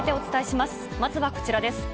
まずはこちらです。